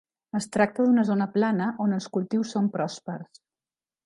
Es tracta d'una zona plana on els cultius són pròspers.